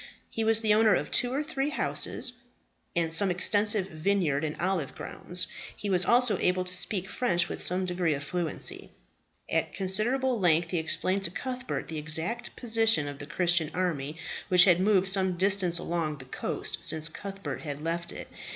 He was the owner of two or three horses, and of some extensive vineyards and olive grounds. He was also able to speak French with some degree of fluency. At considerable length he explained to Cuthbert the exact position of the Christian army, which had moved some distance along the coast since Cuthbert had left it.